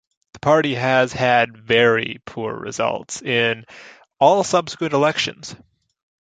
The party has had very poor results in all subsequent elections.